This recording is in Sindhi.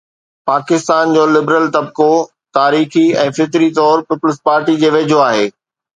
پاڪستان جو لبرل طبقو تاريخي ۽ فطري طور پيپلز پارٽيءَ جي ويجهو آهي.